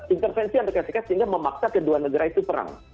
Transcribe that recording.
intervensi amerika serikat sehingga memaksa kedua negara itu perang